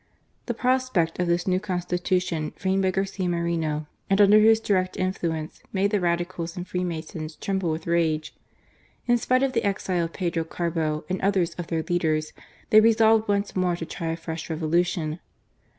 The pro^>ect of this new Con^itution, framed by Garcia Moreno, and under his direct influence, made the Radicals and Freemasons tremble with rage. In spite of the exile of Pedro Carbo and others of their leaders, they resolved once more to try a fresh Revolution.